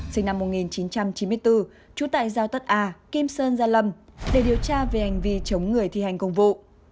sinh năm một nghìn chín trăm chín mươi bốn trú tại giao tất a kim sơn gia lâm để điều tra về hành vi chống người thi hành công vụ